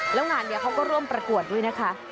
แล้วงานนี้เขาก็ร่วมประกวดด้วยนะคะ